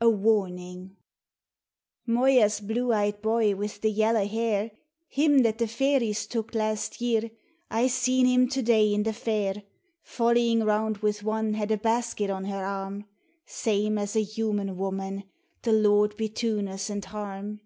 H Warning OYA'S blue eyed boy with the yella hair, Him that the fairies took last year, I seen him to day in the fair, Follyin' round with one had a basket on her arm, Same as a human woman, — the Lord betune us and harm